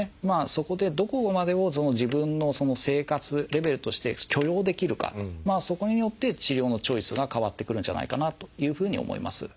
そこでどこまでを自分の生活レベルとして許容できるかそこによって治療のチョイスが変わってくるんじゃないかなというふうに思います。